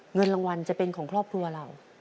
เงินรางวัลจะเป็นของครอบครัวเรา